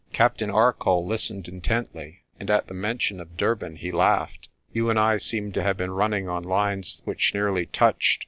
Captain Arcoll listened intently, and at the mention of Durban he laughed. "You and I seem to have been run ning on lines which nearly touched.